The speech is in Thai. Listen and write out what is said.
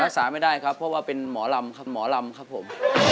รักษาไม่ได้ครับเพราะว่าเป็นหมอลำครับ